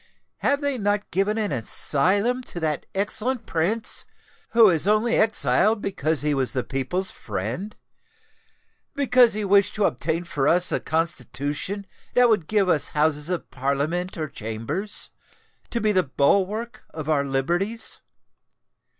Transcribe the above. "Have they not given an asylum to that excellent Prince who is only exiled because he was the people's friend—because he wished to obtain for us a Constitution that would give us Houses of Parliament or Chambers, to be the bulwark of our liberties?